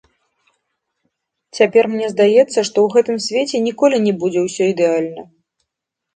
Цяпер мне здаецца, што ў гэтым свеце ніколі не будзе ўсё ідэальна.